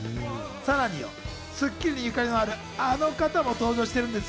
さらに『スッキリ』にゆかりのある、あの方も登場してるんです。